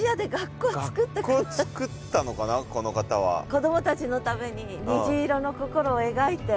子どもたちのために虹色の心を描いて。